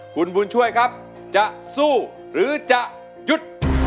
คุณบุญช่วยครับจะสู้หรือจะหยุด